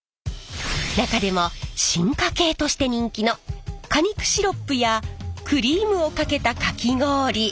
中でも進化系として人気の果肉シロップやクリームをかけたかき氷。